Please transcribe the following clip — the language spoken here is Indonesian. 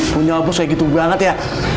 punya abu saya gitu banget ya